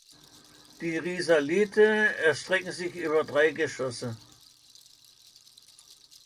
Die Risalite erstrecken sich über drei Geschosse.